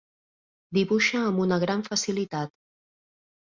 Dibuixa amb una gran facilitat.